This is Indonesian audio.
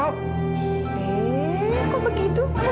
gak boleh begitu